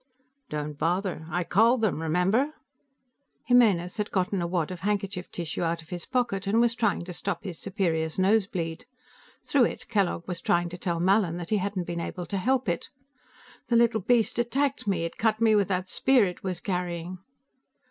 "Don't bother. I called them. Remember?" Jimenez had gotten a wad of handkerchief tissue out of his pocket and was trying to stop his superior's nosebleed. Through it, Kellogg was trying to tell Mallin that he hadn't been able to help it. "The little beast attacked me; it cut me with that spear it was carrying."